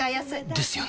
ですよね